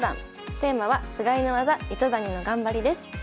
テーマは「菅井の技糸谷の頑張り」です。